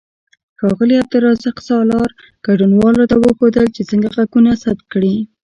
ښاغلي عبدالرزاق سالار ګډونوالو ته وښودل چې څنګه غږونه ثبت کړي.